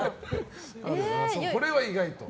これは意外と。